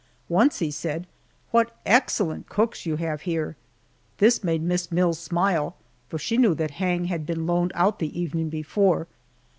Once he said, "What excellent cooks you have here!" This made Miss Mills smile, for she knew that Hang had been loaned out the evening before.